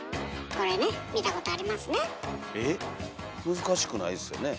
難しくないですよねえ？